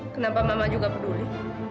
kenapa mama juga peduli